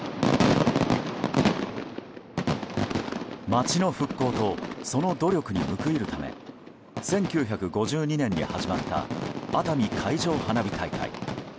街の復興とその努力に報いるため１９５２年に始まった熱海海上花火大会。